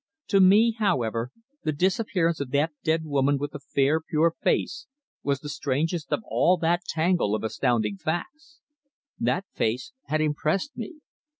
To me, however, the disappearance of that dead woman with the fair, pure face was the strangest of all that tangle of astounding facts. That face had impressed me.